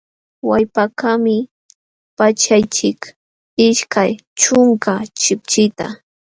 Wallpakaqmi paćhyaqchik ishkay ćhunka chipchita.